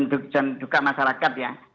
dan duka masyarakat ya